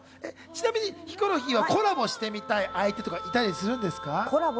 ちなみにヒコロヒーはコラボしてみたい相手とかいたりするんですか？